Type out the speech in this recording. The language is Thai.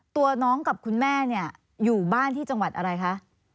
ตัวน้องกับคุณแม่เนี่ยอยู่บ้านที่จังหวัดอะไรคะ